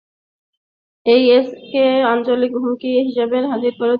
আইএসকে আঞ্চলিক হুমকি হিসেবে খারিজ করে দেওয়াটা ভুল হবে, তার হুমকি বৈশ্বিক প্রকৃতির।